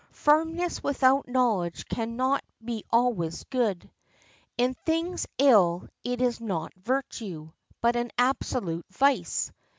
Firmness without knowledge can not be always good. In things ill it is not virtue, but an absolute vice.